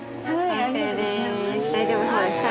大丈夫そうですか？